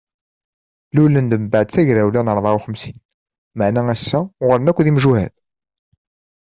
Lulen-d mbeɛd tagrawla n ṛebɛa uxemsin maɛna ass-a uɣalen akk imjuhad.